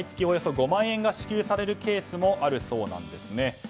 およそ５万円が支給されるケースもあるそうです。